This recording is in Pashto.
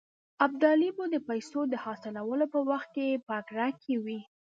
ابدالي به د پیسو د حاصلولو په وخت کې په اګره کې وي.